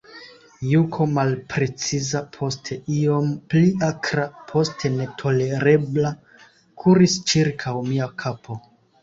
Juko malpreciza, poste iom pli akra, poste netolerebla, kuris ĉirkaŭ mia kapo.